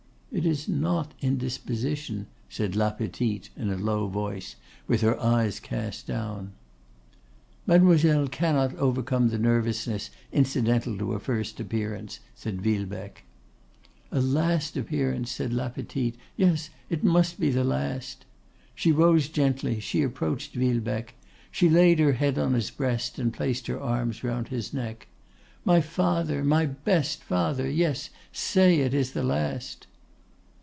'It is not indisposition,' said La Petite, in a low tone, with her eyes cast down. 'Mademoiselle cannot overcome the nervousness incidental to a first appearance,' said Villebecque. 'A last appearance,' said La Petite: 'yes, it must be the last.' She rose gently, she approached Villebecque, she laid her head on his breast, and placed her arms round his neck, 'My father, my best father, yes, say it is the last.